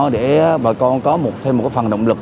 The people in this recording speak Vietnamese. để bà con có thêm một phần động lực